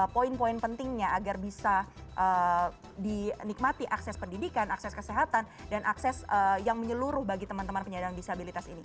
poin poin pentingnya agar bisa dinikmati akses pendidikan akses kesehatan dan akses yang menyeluruh bagi teman teman penyandang disabilitas ini